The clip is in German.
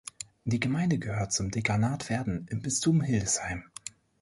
Die Gemeinde gehört zum Dekanat Verden im Bistum Hildesheim.